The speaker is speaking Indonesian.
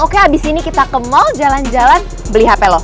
oke abis ini kita ke mal jalan jalan beli hape lo